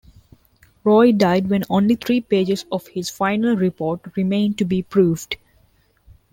Roy died when only three pages of his final report remained to be proofed.